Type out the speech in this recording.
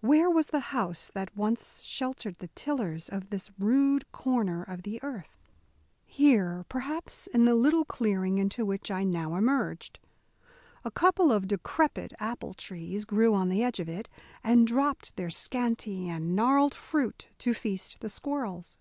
Where was the house that once sheltered the tillers of this rude corner of the earth? Here, perhaps, in the little clearing into which I now emerged. A couple of decrepit apple trees grew on the edge of it, and dropped their scanty and gnarled fruit to feast the squirrels.